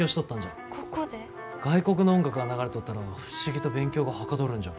外国の音楽が流れとったら不思議と勉強がはかどるんじゃ。